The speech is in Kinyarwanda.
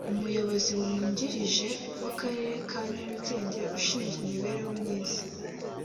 Umuyobozi wungirije w’Akarere ka Nyarugenge ushinzwe imibereho myiza